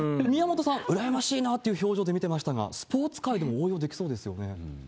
宮本さん、羨ましいなという表情で見てましたが、スポーツ界でも応用できそうですよね。